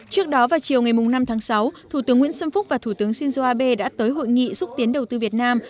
trước đó vào chiều ngày năm tháng sáu thủ tướng nguyễn xuân phúc và thủ tướng shinzo abe đã tới hội nghị xúc tiến đầu tư việt nam